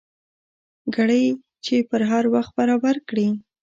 ګړۍ چې پر هر وخت برابر کړې.